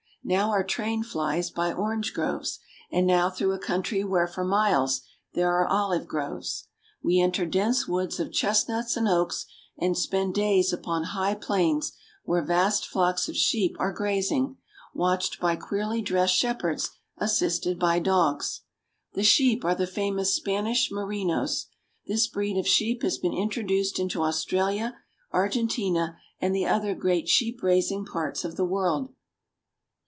Now our train flies by orange groves, and now through a country where for miles there are olive groves. We enter dense woods of chestnuts and oaks, and spend days upon high plains where vast flocks of sheep are graz ing, watched by queerly dressed shepherds assisted by dogs. The sheep are the famous Spanish merinos. This breed of sheep has been introduced into Australia, Argentina, and the other great sheep raising parts of the world.